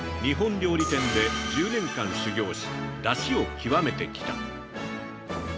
日本料理店で１０年間修業し、だしを極めてきた。